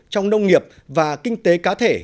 trong nông nghiệp và kinh tế cá thể